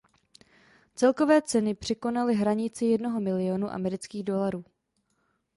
Celkové ceny překonaly hranici jednoho miliónu amerických dolarů.